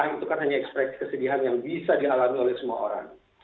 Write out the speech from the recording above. itu kan hanya ekspresi kesedihan yang bisa dialami oleh semua orang